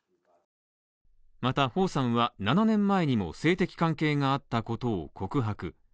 またホウさんは７年前にも性的関係があったことを告白。